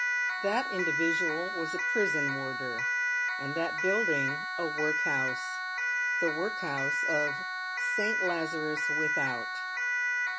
That individual was a prison warder, and that building a workhouse — the workhouse of "St. Lazarus "Without."